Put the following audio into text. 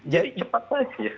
jadi cepat lah